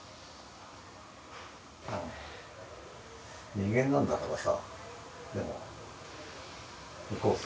人間なんだからさでも行こうぜ。